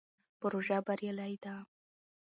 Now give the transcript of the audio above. پروژه بریالۍ ده.